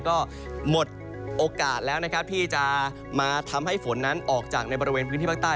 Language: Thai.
ก็หมดโอกาสแล้วนะครับที่จะมาทำให้ฝนนั้นออกจากในบริเวณพื้นที่ภาคใต้